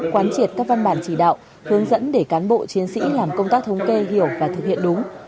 quán triệt các văn bản chỉ đạo hướng dẫn để cán bộ chiến sĩ làm công tác thống kê hiểu và thực hiện đúng